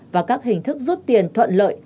và các hình thức rút tiền thuận lợi